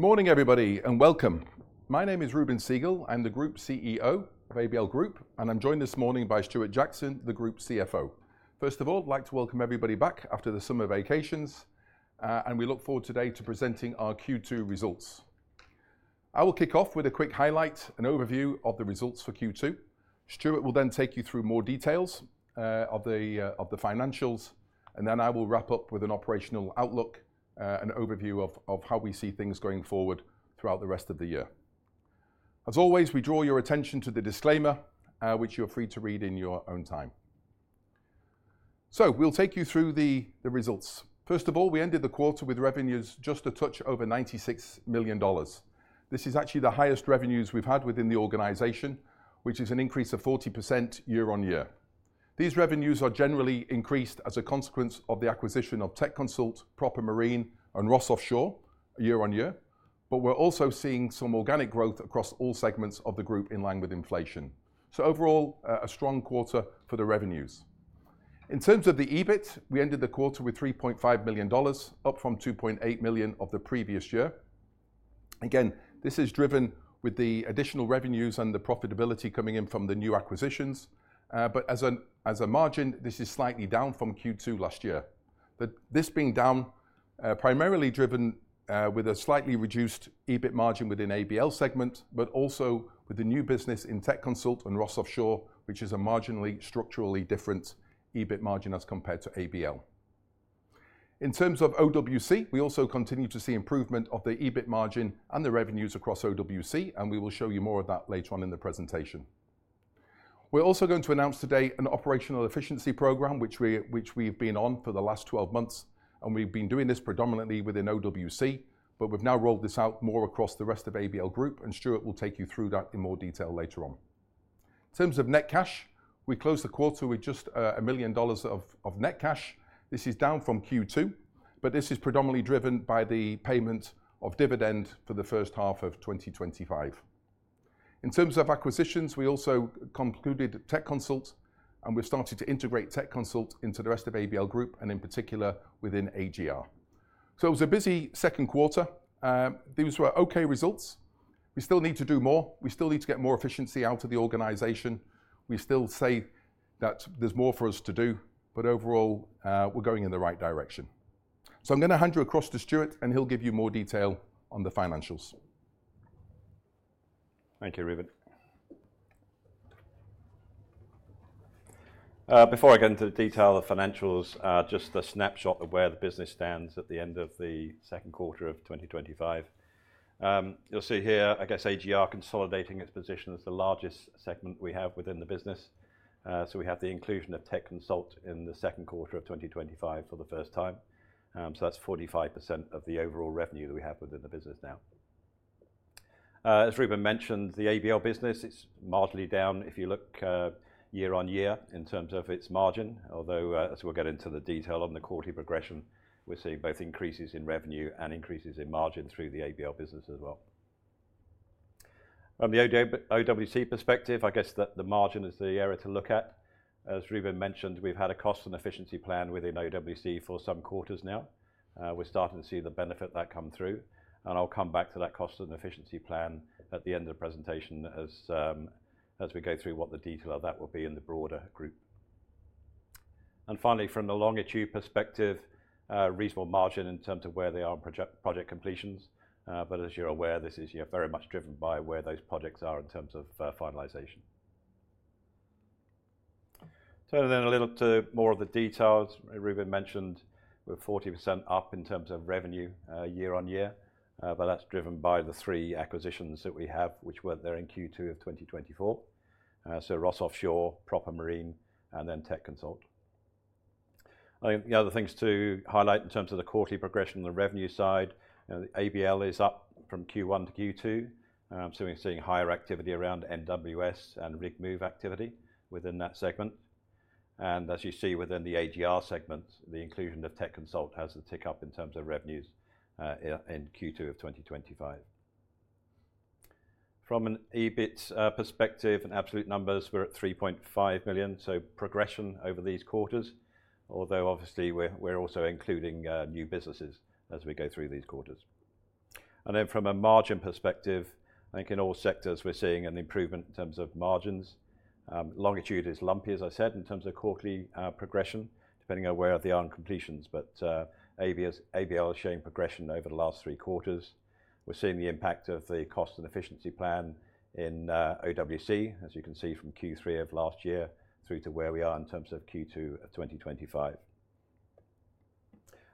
Good morning, everybody, and welcome. My name is Reuben Segal. I'm the Group CEO of ABL Group, and I'm joined this morning by Stuart Jackson, the Group CFO. First of all, I'd like to welcome everybody back after the summer vacations, and we look forward today to presenting our Q2 results. I will kick off with a quick highlight and overview of the results for Q2. Stuart will then take you through more details of the financials, and then I will wrap up with an operational outlook, an overview of how we see things going forward throughout the rest of the year. As always, we draw your attention to the disclaimer, which you're free to read in your own time. We'll take you through the results. First of all, we ended the quarter with revenues just a touch over $96 million. This is actually the highest revenues we've had within the organization, which is an increase of 40% year-on-year. These revenues are generally increased as a consequence of the acquisition of Techconsult, Proper Marine, and Ross Offshore year-on-year, but we're also seeing some organic growth across all segments of the group in line with inflation. Overall, a strong quarter for the revenues. In terms of the EBIT, we ended the quarter with $3.5 million, up from $2.8 million of the previous year. Again, this is driven with the additional revenues and the profitability coming in from the new acquisitions, but as a margin, this is slightly down from Q2 last year. This being down is primarily driven with a slightly reduced EBIT margin within ABL segment, but also with the new business in Techconsult and Ross Offshore, which is a marginally structurally different EBIT margin as compared to ABL. In terms of OWC, we also continue to see improvement of the EBIT margin and the revenues across OWC, and we will show you more of that later on in the presentation. We're also going to announce today an operational efficiency program, which we've been on for the last 12 months, and we've been doing this predominantly within OWC, but we've now rolled this out more across the rest of ABL Group, and Stuart will take you through that in more detail later on. In terms of net cash, we closed the quarter with just $1 million of net cash. This is down from Q2, but this is predominantly driven by the payment of dividend for the first half of 2025. In terms of acquisitions, we also concluded Techconsult, and we've started to integrate Techconsult into the rest of ABL Group, in particular, within AGR. It was a busy Second Quarter. These were okay results. We still need to do more. We still need to get more efficiency out of the organization. We still say that there's more for us to do, but overall, we're going in the right direction. I'm going to hand you across to Stuart, and he'll give you more detail on the financials. Thank you, Reuben. Before I get into the detail of the financials, just a snapshot of where the business stands at the end of the Second Quarter of 2025. You'll see here, I guess, AGR consolidating its position as the largest segment we have within the business. We have the inclusion of Techconsult in the Second Quarter of 2025 for the first time. That's 45% of the overall revenue that we have within the business now. As Reuben mentioned, the ABL business is marginally down if you look year-on-year in terms of its margin, although, as we'll get into the detail on the quarterly progression, we're seeing both increases in revenue and increases in margin through the ABL business as well. From the OWC perspective, I guess that the margin is the area to look at. As Reuben mentioned, we've had a cost and efficiency plan within OWC for some quarters now. We're starting to see the benefit that come through, and I'll come back to that cost and efficiency plan at the end of the presentation as we go through what the detail of that will be in the broader group. Finally, from the Longitude perspective, reasonable margin in terms of where they are on project completions, but as you're aware, this is very much driven by where those projects are in terms of finalisation. Turning then a little to more of the details, Reuben mentioned we're 40% up in terms of revenue year-on-year, but that's driven by the three acquisitions that we have, which weren't there in Q2 of 2024. Ross Offshore, Proper Marine, and then Techconsult. I think the other things to highlight in terms of the quarterly progression on the revenue side, the ABL is up from Q1 to Q2. We're seeing higher activity around NWS and Rig Move activity within that segment. As you see within the AGR segment, the inclusion of Techconsult has a tick up in terms of revenues in Q2 of 2025. From an EBIT perspective, and absolute numbers, we're at $3.5 million, so progression over these quarters, although obviously, we're also including new businesses as we go through these quarters. From a margin perspective, I think in all sectors, we're seeing an improvement in terms of margins. Longitude is lumpy, as I said, in terms of quarterly progression, depending on where they are on completions, but ABL is showing progression over the last three quarters. We're seeing the impact of the cost and efficiency plan in OWC, as you can see from Q3 of last year through to where we are in terms of Q2 of 2025.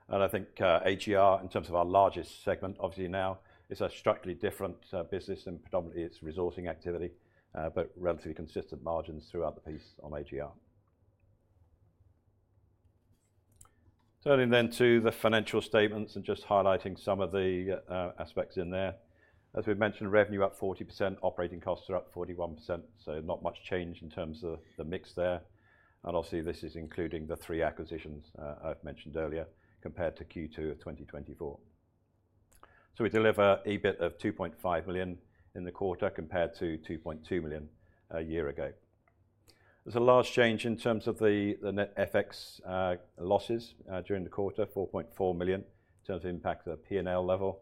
I think AGR, in terms of our largest segment, obviously now, is a structurally different business and predominantly its resourcing activity, but relatively consistent margins throughout the piece on AGR. Turning then to the financial statements and just highlighting some of the aspects in there. As we've mentioned, revenue up 40%, operating costs are up 41%, not much change in terms of the mix there. Obviously, this is including the three acquisitions I've mentioned earlier, compared to Q2 of 2024. We deliver EBIT of $2.5 million in the quarter compared to $2.2 million a year ago. There's a large change in terms of the net FX losses during the quarter, $4.4 million in terms of the impact at the P&L level.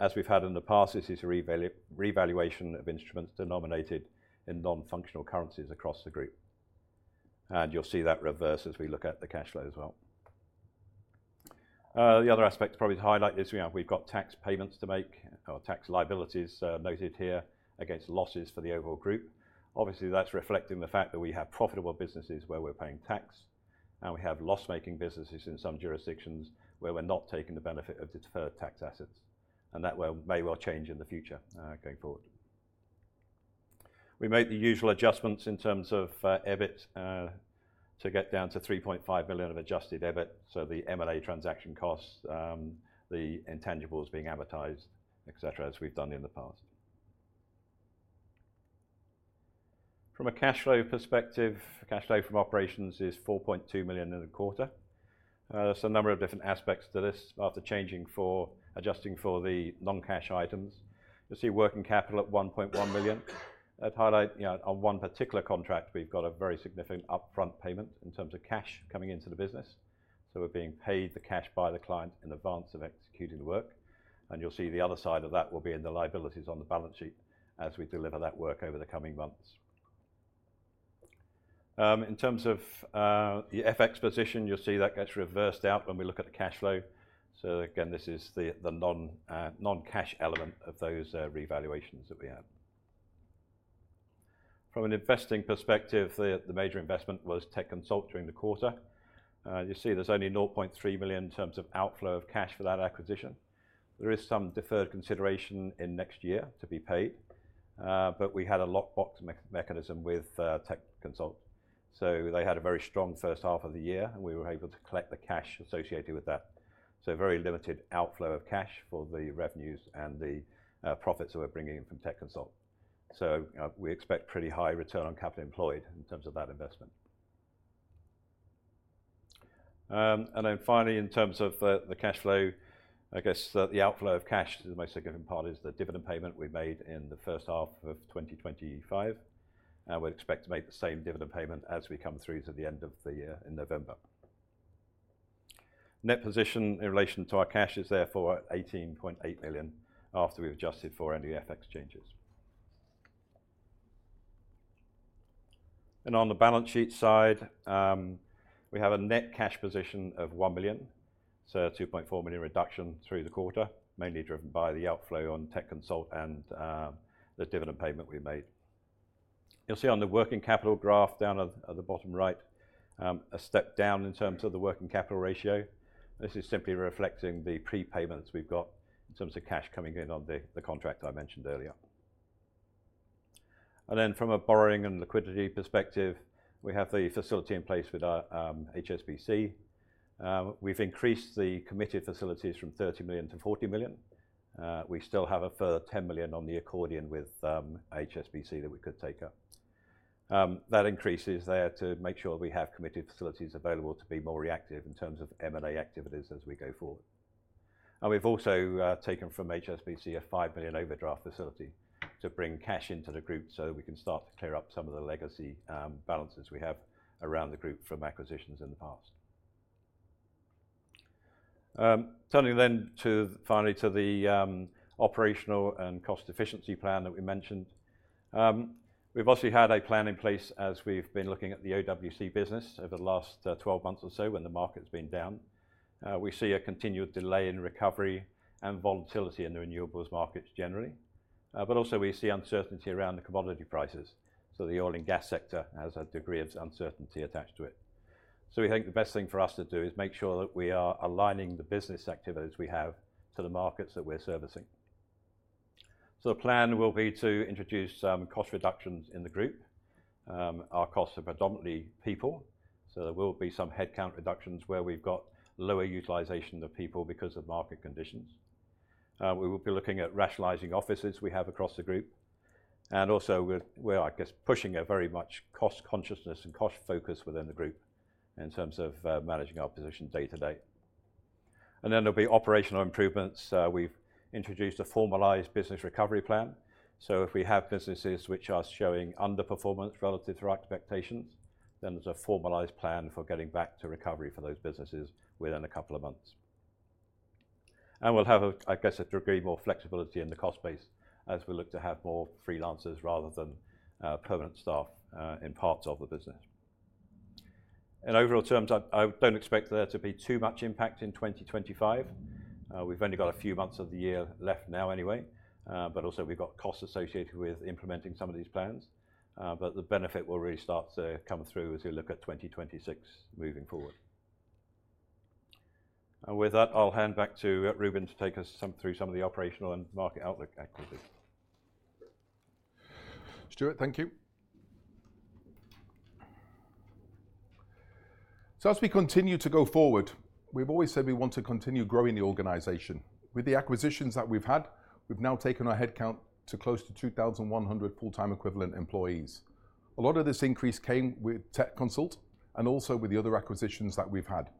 As we've had in the past, this is revaluation of instruments denominated in non-functional currencies across the group. You'll see that reverse as we look at the cash flow as well. The other aspect probably to highlight is we have tax payments to make or tax liabilities noted here against losses for the overall group. Obviously, that's reflecting the fact that we have profitable businesses where we're paying tax, and we have loss-making businesses in some jurisdictions where we're not taking the benefit of deferred tax assets. That may well change in the future, going forward. We made the usual adjustments in terms of EBIT to get down to $3.5 million of adjusted EBIT, so the M&A transaction costs, the intangibles being amortized, et cetera, as we've done in the past. From a cash flow perspective, cash flow from operations is $4.2 million in the quarter. There's a number of different aspects to this after adjusting for the non-cash items. You'll see working capital at $1.1 million. I'd highlight, on one particular contract, we've got a very significant upfront payment in terms of cash coming into the business. We're being paid the cash by the client in advance of executing the work. You'll see the other side of that will be in the liabilities on the balance sheet as we deliver that work over the coming months. In terms of the FX position, you'll see that gets reversed out when we look at the cash flow. This is the non-cash element of those revaluations that we have. From an investing perspective, the major investment was Techconsult during the quarter. You see there's only $300,000 in terms of outflow of cash for that acquisition. There is some deferred consideration in next year to be paid, but we had a lockbox mechanism with Techconsult. They had a very strong first half of the year, and we were able to collect the cash associated with that. Very limited outflow of cash for the revenues and the profits that we're bringing in from Techconsult. We expect pretty high return on capital employed in terms of that investment. Finally, in terms of the cash flow, the outflow of cash, the most significant part is the dividend payment we made in the first half of 2025. We expect to make the same dividend payment as we come through to the end of the year in November. Net position in relation to our cash is therefore at $18.8 million after we've adjusted for any FX changes. On the balance sheet side, we have a net cash position of $1 million. A $2.4 million reduction through the quarter, mainly driven by the outflow on Techconsult and the dividend payment we made. You'll see on the working capital graph down at the bottom right, a step down in terms of the working capital ratio. This is simply reflecting the prepayments we've got in terms of cash coming in on the contract I mentioned earlier. From a borrowing and liquidity perspective, we have the facility in place with HSBC. We've increased the committed facilities from $30 million-$40 million. We still have a further $10 million on the accordion with HSBC that we could take up. That increase is there to make sure we have committed facilities available to be more reactive in terms of M&A activity as we go forward. We've also taken from HSBC a $5 million overdraft facility to bring cash into the group so we can start to clear up some of the legacy balances we have around the group from acquisitions in the past. Turning finally to the operational and cost efficiency plan that we mentioned. We've obviously had a plan in place as we've been looking at the OWC business over the last 12 months or so when the market's been down. We see a continued delay in recovery and volatility in the renewables markets generally. We also see uncertainty around the commodity prices. The oil and gas sector has a degree of uncertainty attached to it. We think the best thing for us to do is make sure that we are aligning the business activities we have to the markets that we're servicing. The plan will be to introduce some cost reductions in the group. Our costs are predominantly people, so there will be some headcount reductions where we've got lower utilization of people because of market conditions. We will be looking at rationalizing offices we have across the group. We're pushing a very much cost consciousness and cost focus within the group in terms of managing our position day to day. There will be operational improvements. We've introduced a formalized business recovery plan. If we have businesses which are showing underperformance relative to our expectations, then there's a formalized plan for getting back to recovery for those businesses within a couple of months. We'll have a degree more flexibility in the cost base as we look to have more freelancers rather than permanent staff in parts of the business. In overall terms, I don't expect there to be too much impact in 2025. We've only got a few months of the year left now anyway, but also, we've got costs associated with implementing some of these plans. The benefit will really start to come through as we look at 2026 moving forward. With that, I'll hand back to Reuben to take us through some of the operational and market outlook activities. Stuart, thank you. As we continue to go forward, we've always said we want to continue growing the organization. With the acquisitions that we've had, we've now taken our headcount to close to 2,100 full-time equivalent employees. A lot of this increase came with Techconsult and also with the other acquisitions that we've had.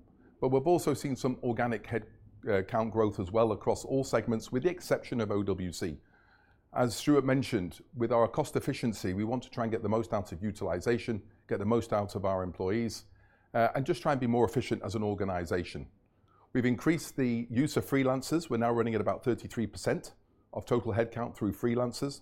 We've also seen some organic headcount growth as well across all segments with the exception of OWC. As Stuart mentioned, with our cost efficiency, we want to try and get the most out of utilization, get the most out of our employees, and just try and be more efficient as an organization. We've increased the use of freelancers. We're now running at about 33% of total headcount through freelancers,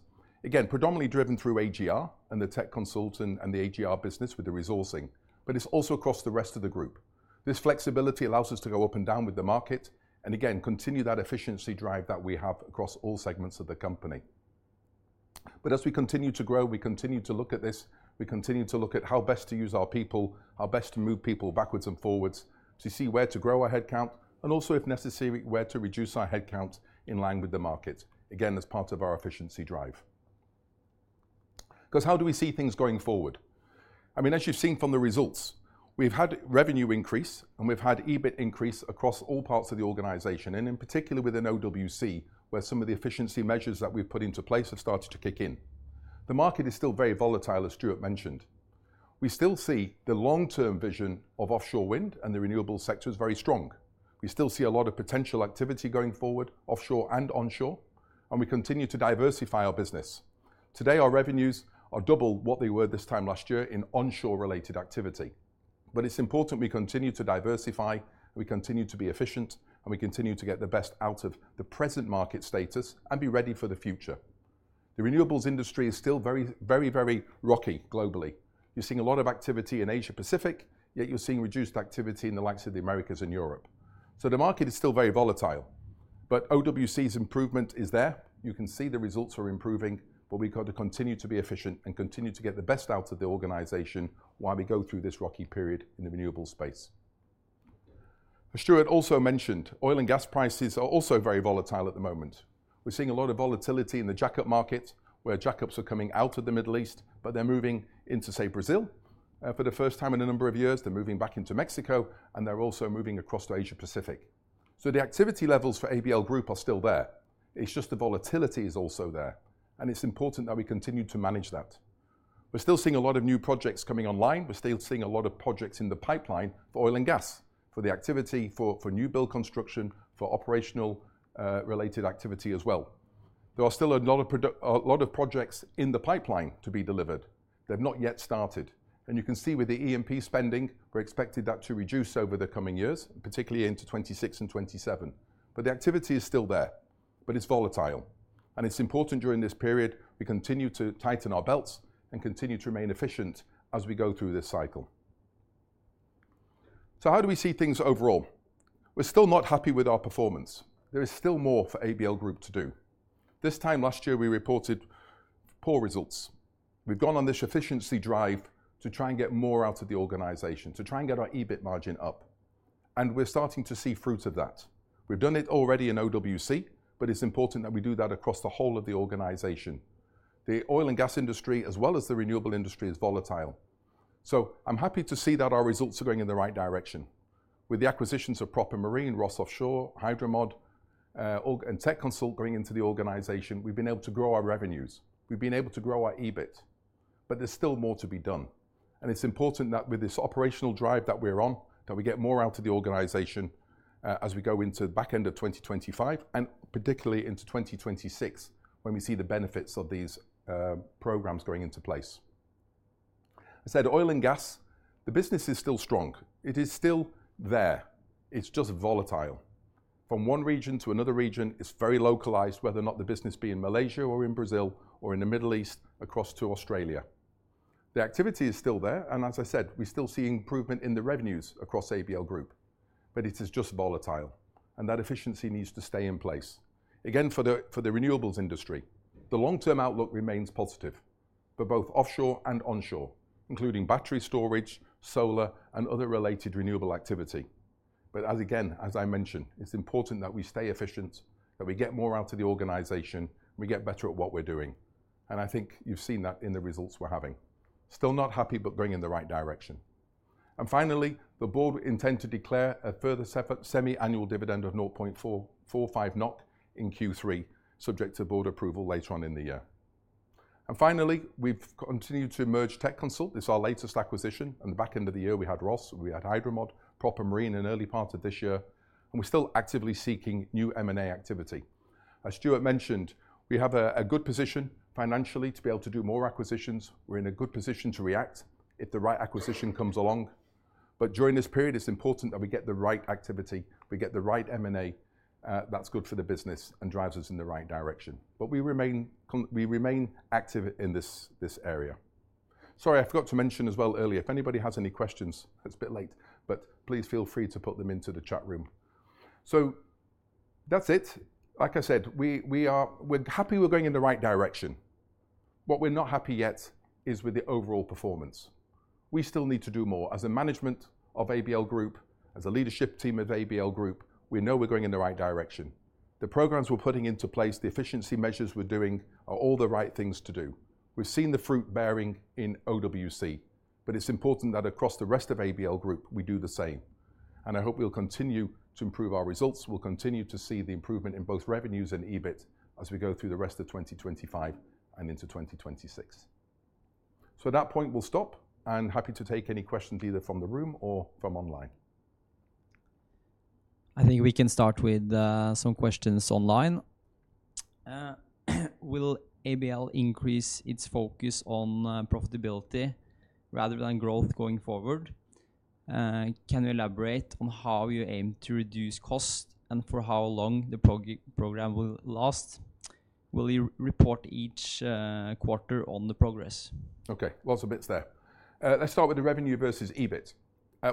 predominantly driven through AGR and the Techconsult and the AGR business with the resourcing, but it's also across the rest of the group. This flexibility allows us to go up and down with the market and continue that efficiency drive that we have across all segments of the company. As we continue to grow, we continue to look at this. We continue to look at how best to use our people, how best to move people backwards and forwards to see where to grow our headcount and also, if necessary, where to reduce our headcount in line with the market, as part of our efficiency drive. How do we see things going forward? As you've seen from the results, we've had revenue increase, and we've had EBIT increase across all parts of the organization, and in particular within OWC, where some of the efficiency measures that we've put into place have started to kick in. The market is still very volatile, as Stuart mentioned. We still see the long-term vision of offshore wind and the renewable sectors very strong. We still see a lot of potential activity going forward offshore and onshore, and we continue to diversify our business. Today, our revenues are double what they were this time last year in onshore-related activity. It's important we continue to diversify, we continue to be efficient, and we continue to get the best out of the present market status and be ready for the future. The renewables industry is still very, very, very rocky globally. You're seeing a lot of activity in Asia-Pacific, yet you're seeing reduced activity in the likes of the Americas and Europe. The market is still very volatile, but OWC's improvement is there. You can see the results are improving, but we've got to continue to be efficient and continue to get the best out of the organization while we go through this rocky period in the renewables space. As Stuart also mentioned, oil and gas prices are also very volatile at the moment. We're seeing a lot of volatility in the jackup market where jackups are coming out of the Middle East, but they're moving into, say, Brazil for the first time in a number of years. They're moving back into Mexico, and they're also moving across to Asia-Pacific. The activity levels for ABL Group are still there. It's just the volatility is also there, and it's important that we continue to manage that. We're still seeing a lot of new projects coming online. We're still seeing a lot of projects in the pipeline for oil and gas, for the activity, for new build construction, for operational related activity as well. There are still a lot of projects in the pipeline to be delivered. They've not yet started. You can see with the EMP spending, we're expected that to reduce over the coming years, particularly into 2026 and 2027. The activity is still there, but it's volatile. It's important during this period we continue to tighten our belts and continue to remain efficient as we go through this cycle. How do we see things overall? We're still not happy with our performance. There is still more for ABL Group to do. This time last year, we reported poor results. We've gone on this efficiency drive to try and get more out of the organization, to try and get our EBIT margin up. We're starting to see fruits of that. We've done it already in OWC, but it's important that we do that across the whole of the organization. The oil and gas industry, as well as the renewable industry, is volatile. I'm happy to see that our results are going in the right direction. With the acquisitions of Proper Marine, Ross Offshore, Hidromod, and Techconsult going into the organization, we've been able to grow our revenues. We've been able to grow our EBIT. There's still more to be done. It's important that with this operational drive that we're on, that we get more out of the organization as we go into the back end of 2025 and particularly into 2026 when we see the benefits of these programs going into place. I said oil and gas, the business is still strong. It is still there. It's just volatile. From one region to another region, it's very localized, whether or not the business be in Malaysia or in Brazil or in the Middle East, across to Australia. The activity is still there, and as I said, we're still seeing improvement in the revenues across ABL Group. It is just volatile, and that efficiency needs to stay in place. Again, for the renewables industry, the long-term outlook remains positive for both offshore and onshore, including battery storage, solar, and other related renewable activity. As I mentioned, it's important that we stay efficient, that we get more out of the organization, and we get better at what we're doing. I think you've seen that in the results we're having. Still not happy, but going in the right direction. Finally, the board intends to declare a further semi-annual dividend of $0.45 in Q3, subject to board approval later on in the year. We've continued to merge Techconsult. This is our latest acquisition. On the back end of the year, we had Ross Offshore, we had Hidromod, Proper Marine in early parts of this year, and we're still actively seeking new M&A activity. As Stuart mentioned, we have a good position financially to be able to do more acquisitions. We're in a good position to react if the right acquisition comes along. During this period, it's important that we get the right activity, we get the right M&A, that's good for the business and drives us in the right direction. We remain active in this area. Sorry, I forgot to mention as well earlier, if anybody has any questions, it's a bit late, but please feel free to put them into the chat room. That's it. Like I said, we're happy we're going in the right direction. What we're not happy yet is with the overall performance. We still need to do more as a management of ABL Group, as a leadership team of ABL Group. We know we're going in the right direction. The programs we're putting into place, the efficiency measures we're doing are all the right things to do. We've seen the fruit bearing in OWC, but it's important that across the rest of ABL Group, we do the same. I hope we'll continue to improve our results. We'll continue to see the improvement in both revenues and EBIT as we go through the rest of 2025 and into 2026. At that point, we'll stop and happy to take any questions either from the room or from online. I think we can start with some questions online. Will ABL increase its focus on profitability rather than growth going forward? Can you elaborate on how you aim to reduce cost and for how long the programme will last? Will you report each quarter on the progress? Okay. Lots of bits there. Let's start with the revenue versus EBIT.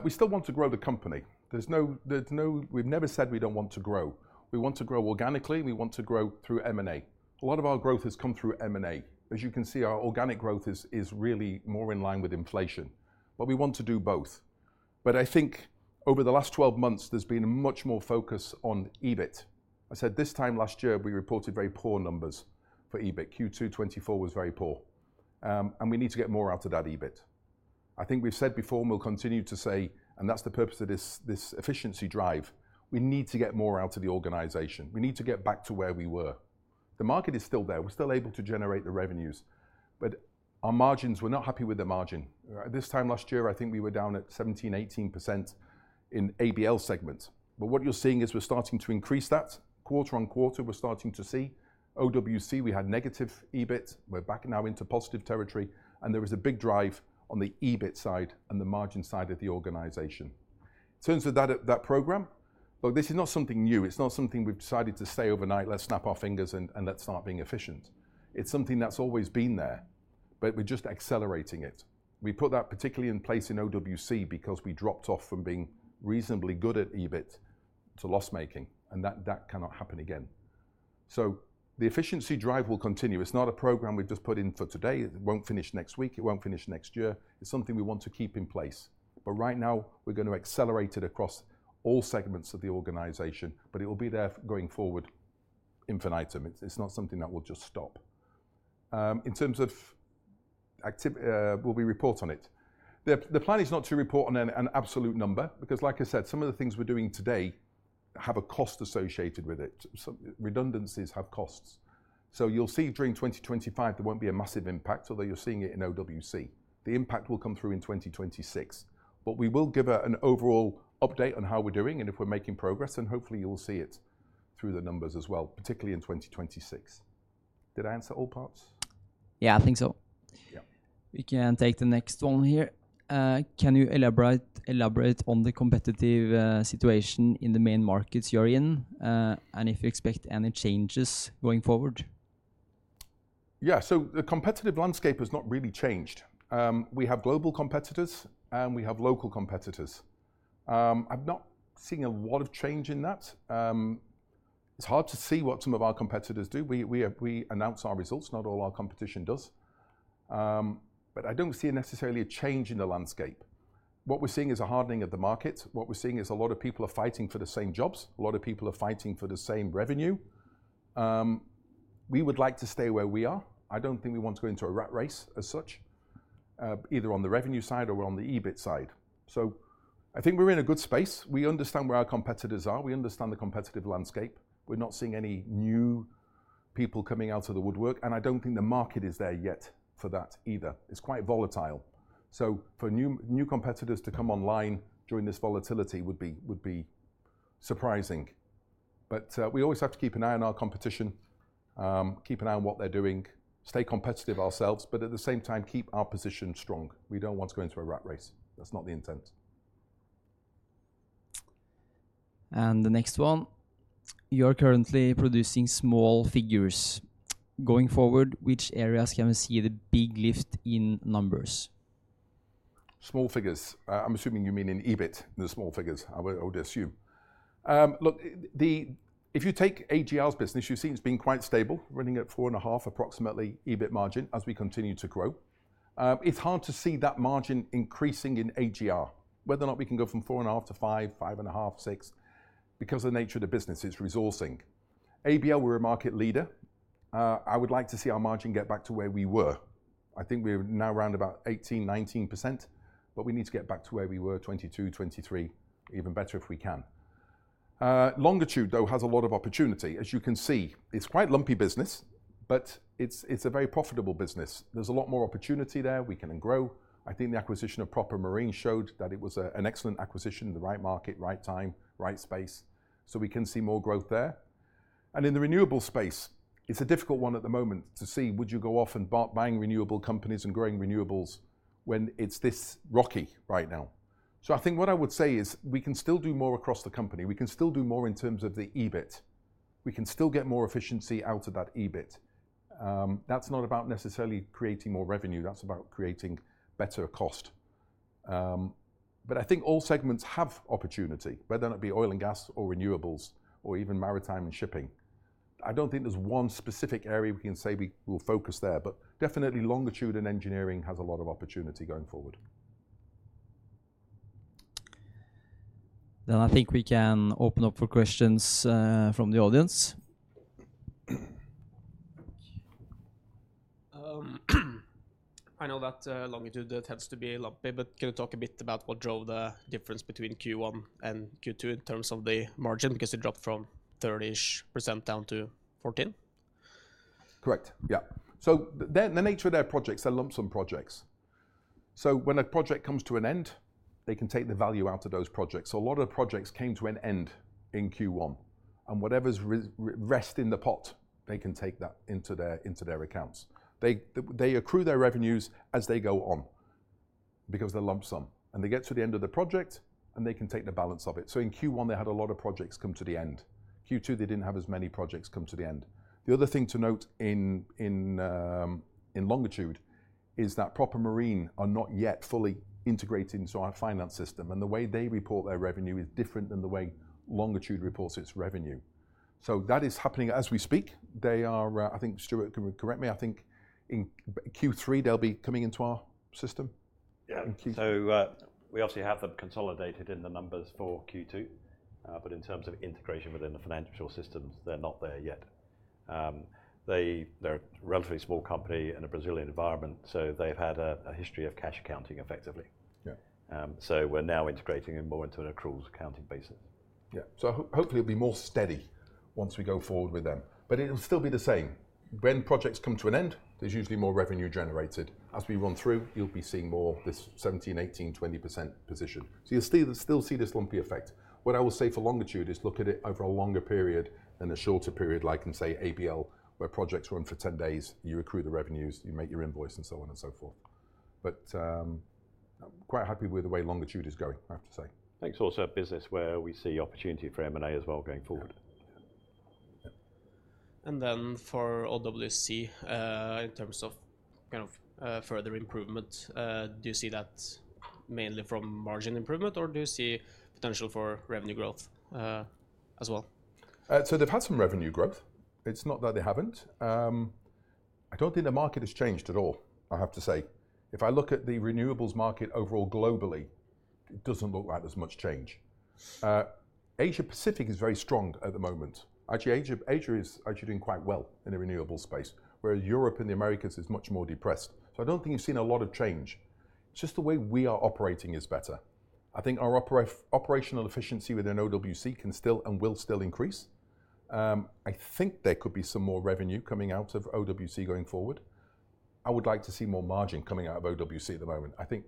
We still want to grow the company. There's no, there's no, we've never said we don't want to grow. We want to grow organically. We want to grow through M&A. A lot of our growth has come through M&A. As you can see, our organic growth is really more in line with inflation. We want to do both. I think over the last 12 months, there's been a much more focus on EBIT. I said this time last year, we reported very poor numbers for EBIT. Q2 2024 was very poor, and we need to get more out of that EBIT. I think we've said before, and we'll continue to say, and that's the purpose of this efficiency drive, we need to get more out of the organization. We need to get back to where we were. The market is still there. We're still able to generate the revenues, but our margins, we're not happy with the margin. This time last year, I think we were down at 17%, 18% in ABL segment. What you're seeing is we're starting to increase that. Quarter on quarter, we're starting to see. OWC, we had negative EBIT. We're back now into positive territory. There was a big drive on the EBIT side and the margin side of the organization. In terms of that program, look, this is not something new. It's not something we've decided to say overnight, let's snap our fingers and let's start being efficient. It's something that's always been there, but we're just accelerating it. We put that particularly in place in OWC because we dropped off from being reasonably good at EBIT to loss-making, and that cannot happen again. The efficiency drive will continue. It's not a program we've just put in for today. It won't finish next week. It won't finish next year. It's something we want to keep in place. Right now, we're going to accelerate it across all segments of the organization, but it will be there going forward, infinitum. It's not something that will just stop. In terms of activity, will we report on it? The plan is not to report on an absolute number because, like I said, some of the things we're doing today have a cost associated with it. Redundancies have costs. You'll see during 2025, there won't be a massive impact, although you're seeing it in OWC. The impact will come through in 2026. We will give an overall update on how we're doing and if we're making progress, and hopefully, you'll see it through the numbers as well, particularly in 2026. Did I answer all parts? Yeah, I think so. Yeah. We can take the next one here. Can you elaborate on the competitive situation in the main markets you're in, and if you expect any changes going forward? Yeah. The competitive landscape has not really changed. We have global competitors, and we have local competitors. I'm not seeing a lot of change in that. It's hard to see what some of our competitors do. We announce our results. Not all our competition does. I don't see necessarily a change in the landscape. What we're seeing is a hardening of the markets. What we're seeing is a lot of people are fighting for the same jobs. A lot of people are fighting for the same revenue. We would like to stay where we are. I don't think we want to go into a rat race as such, either on the revenue side or on the EBIT side. I think we're in a good space. We understand where our competitors are. We understand the competitive landscape. We're not seeing any new people coming out of the woodwork, and I don't think the market is there yet for that either. It's quite volatile. For new competitors to come online during this volatility would be surprising. We always have to keep an eye on our competition, keep an eye on what they're doing, stay competitive ourselves, but at the same time, keep our position strong. We don't want to go into a rat race. That's not the intent. You're currently producing small figures. Going forward, which areas can we see the big lift in numbers? Small figures. I'm assuming you mean in EBIT, the small figures. I would assume. If you take AGR's business, you've seen it's been quite stable, running at 4.5% approximately EBIT margin as we continue to grow. It's hard to see that margin increasing in AGR, whether or not we can go from 4.5% to 5%, 5.5%, 6%, because of the nature of the business. It's resourcing. ABL, we're a market leader. I would like to see our margin get back to where we were. I think we're now around about 18%, 19%, but we need to get back to where we were, 22%, 23%, even better if we can. Longitude, though, has a lot of opportunity. As you can see, it's quite a lumpy business, but it's a very profitable business. There's a lot more opportunity there. We can grow. I think the acquisition of Proper Marine showed that it was an excellent acquisition, the right market, right time, right space. We can see more growth there. In the renewable space, it's a difficult one at the moment to see, would you go off and buy renewable companies and growing renewables when it's this rocky right now? I think what I would say is we can still do more across the company. We can still do more in terms of the EBIT. We can still get more efficiency out of that EBIT. That's not about necessarily creating more revenue. That's about creating better cost. I think all segments have opportunity, whether it be oil and gas or renewables or even maritime and shipping. I don't think there's one specific area we can say we will focus there, but definitely Longitude and engineering has a lot of opportunity going forward. I think we can open up for questions from the audience. I know that, Longitude, that tends to be lumpy, but can you talk a bit about what drove the difference between Q1 and Q2 in terms of the margin because you dropped from 30% down to 14? Correct. Yeah. The nature of their projects, they're lump sum projects. When a project comes to an end, they can take the value out of those projects. A lot of projects came to an end in Q1, and whatever's rest in the pot, they can take that into their accounts. They accrue their revenues as they go on because they're lump sum, and they get to the end of the project, and they can take the balance of it. In Q1, they had a lot of projects come to the end. In Q2, they didn't have as many projects come to the end. The other thing to note in Longitude is that Proper Marine are not yet fully integrated into our finance system, and the way they report their revenue is different than the way Longitude reports its revenue. That is happening as we speak. They are, I think, Stuart, can you correct me? I think in Q3, they'll be coming into our system. Yeah. In Q3. We obviously haven't consolidated in the numbers for Q2, but in terms of integration within the financial systems, they're not there yet. They're a relatively small company in a Brazilian environment, so they've had a history of cash accounting effectively. Yeah. We're now integrating it more into an accruals accounting basis. Hopefully, it'll be more steady once we go forward with them, but it'll still be the same. When projects come to an end, there's usually more revenue generated. As we run through, you'll be seeing more this 17%, 18%, 20% position. You'll still see this lumpy effect. What I will say for Longitude is look at it over a longer period and a shorter period, like in, say, ABL, where projects run for ten days, you accrue the revenues, you make your invoice, and so on and so forth. I'm quite happy with the way Longitude is going, I have to say. It's also a business where we see opportunity for M&A as well going forward. For OWC, in terms of kind of further improvement, do you see that mainly from margin improvement, or do you see potential for revenue growth as well? They've had some revenue growth. It's not that they haven't. I don't think the market has changed at all, I have to say. If I look at the renewables market overall globally, it doesn't look like there's much change. Asia-Pacific is very strong at the moment. Actually, Asia is actually doing quite well in the renewables space, where Europe and the Americas is much more depressed. I don't think you've seen a lot of change. It's just the way we are operating is better. I think our operational efficiency within OWC can still and will still increase. I think there could be some more revenue coming out of OWC going forward. I would like to see more margin coming out of OWC at the moment. I think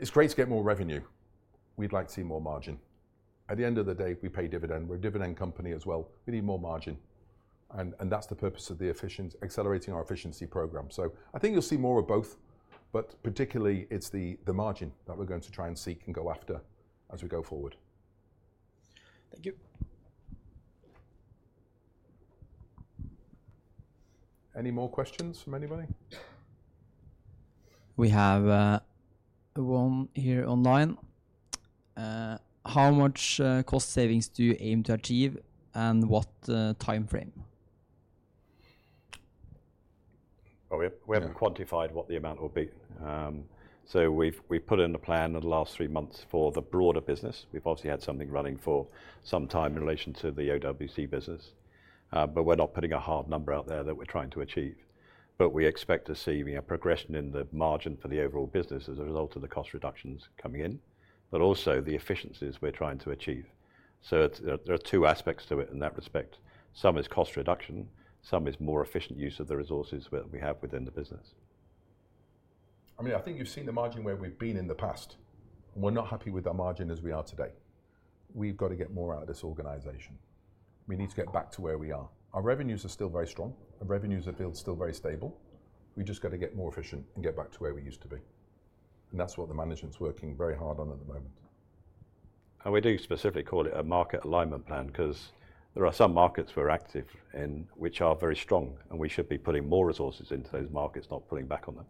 it's great to get more revenue. We'd like to see more margin. At the end of the day, we pay dividend. We're a dividend company as well. We need more margin. That's the purpose of accelerating our efficiency programme. I think you'll see more of both, but particularly, it's the margin that we're going to try and seek and go after as we go forward. Thank you. Any more questions from anybody? We have the one here online. How much cost savings do you aim to achieve and what timeframe? Oh, we haven't quantified what the amount will be. We've put in the plan in the last three months for the broader business. We've obviously had something running for some time in relation to the OWC business. We're not putting a hard number out there that we're trying to achieve. We expect to see progression in the margin for the overall business as a result of the cost reductions coming in, but also the efficiencies we're trying to achieve. There are two aspects to it in that respect. Some is cost reduction, some is more efficient use of the resources that we have within the business. I think you've seen the margin where we've been in the past. We're not happy with our margin as we are today. We've got to get more out of this organization. We need to get back to where we are. Our revenues are still very strong and very stable. We just got to get more efficient and get back to where we used to be. That's what the management's working very hard on at the moment. We do specifically call it a market alignment plan because there are some markets we're active in which are very strong, and we should be putting more resources into those markets, not pulling back on them.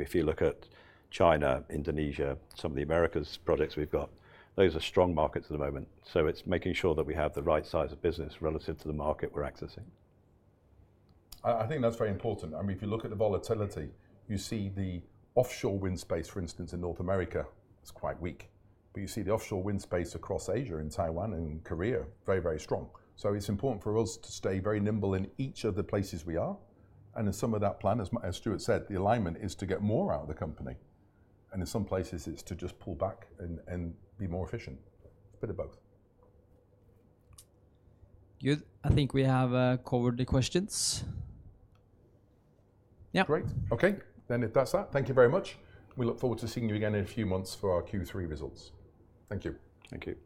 If you look at China, Indonesia, some of the Americas projects we've got, those are strong markets at the moment. It's making sure that we have the right size of business relative to the market we're accessing. I think that's very important. I mean, if you look at the volatility, you see the offshore wind space, for instance, in North America, it's quite weak. You see the offshore wind space across Asia and Taiwan and Korea very, very strong. It's important for us to stay very nimble in each of the places we are. As part of that plan, as Stuart said, the alignment is to get more out of the company. In some places, it's to just pull back and be more efficient. A bit of both. I think we have covered the questions. Yeah. Great. Okay. If that's that, thank you very much. We look forward to seeing you again in a few months for our Q3 results. Thank you. Thank you.